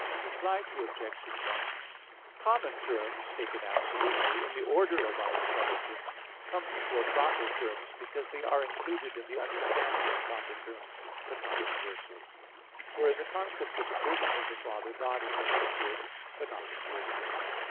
Reply Obj. 1: Common terms taken absolutely, in the order of our intelligence, come before proper terms; because they are included in the understanding of proper terms; but not conversely. For in the concept of the person of the Father, God is understood; but not conversely.